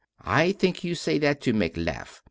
I think you say that to make laugh.